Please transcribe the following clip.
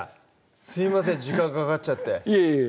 すいません時間かかっちゃっていえいえ